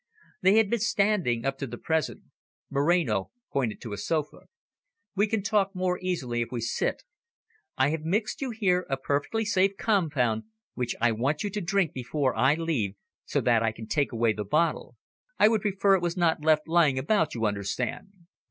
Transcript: They had been standing up to the present. Moreno pointed to a sofa. "We can talk more easily if we sit. I have mixed you here a perfectly safe compound, which I want you to drink before I leave, so that I can take away the bottle; I would prefer it was not left lying about, you understand."